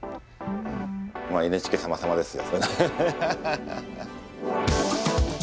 まあＮＨＫさまさまですよ。